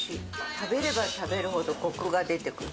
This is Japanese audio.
食べれば食べるほどこくが出てくる。